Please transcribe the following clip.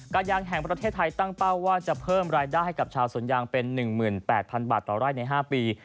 ยางแห่งประเทศไทยตั้งเป้าว่าจะเพิ่มรายได้ให้กับชาวสวนยางเป็น๑๘๐๐๐บาทต่อไร่ใน๕ปี